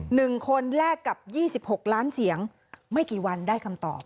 หนึ่งคนแลกกับยี่สิบหกล้านเสียงไม่กี่วันได้คำตอบ